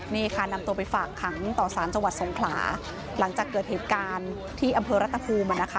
นี่ค่ะนำตัวไปฝากขังต่อสารจังหวัดสงขลาหลังจากเกิดเหตุการณ์ที่อำเภอรัฐภูมิอ่ะนะคะ